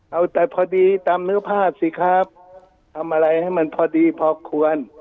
เอาแต่พอดีตามนึกภาพสิครับทำอะไรให้มันพอดีพอควร